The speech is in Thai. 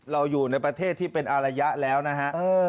เราอยู่ในประเทศที่เป็นอารยะแล้วนะฮะ